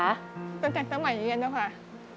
ตั้งแต่สมัยเรียนแล้วค่ะ